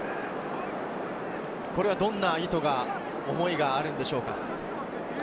どんな意図が、思いがあるのでしょうか？